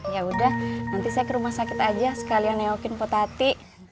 ya udah nanti saya ke rumah sakit aja sekalian neokin potati